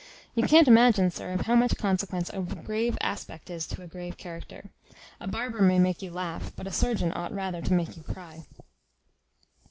You can't imagine, sir, of how much consequence a grave aspect is to a grave character. A barber may make you laugh, but a surgeon ought rather to make you cry."